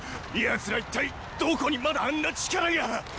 奴ら一体どこにまだあんな力がっ！